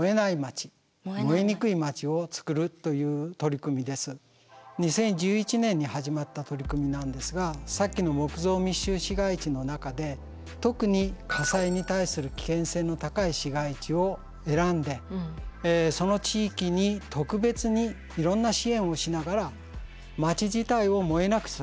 これはあの２０１１年に始まった取り組みなんですがさっきの木造密集市街地の中で特に火災に対する危険性の高い市街地を選んでその地域に特別にいろんな支援をしながらまち自体を燃えなくする。